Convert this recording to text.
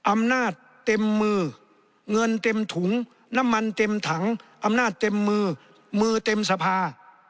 อำนาจเต็มมือเงินเต็มถุงน้ำมันเต็มถังอำนาจเต็มมือมือมือเต็มสภา